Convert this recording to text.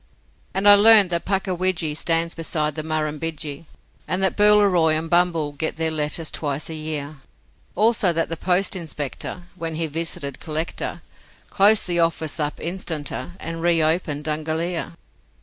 And I learnt that Puckawidgee stands beside the Murrumbidgee, And that Booleroi and Bumble get their letters twice a year, Also that the post inspector, when he visited Collector, Closed the office up instanter, and re opened Dungalear.